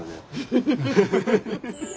フフフフ。